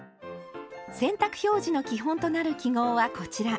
洗濯表示の基本となる記号はこちら。